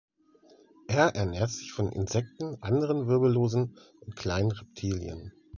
Er ernährt sich von Insekten, anderen Wirbellosen und kleinen Reptilien.